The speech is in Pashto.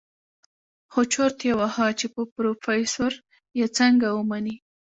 خو چورت يې وهه چې په پروفيسر يې څنګه ومني.